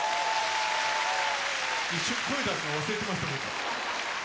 一瞬声出すの忘れてました僕。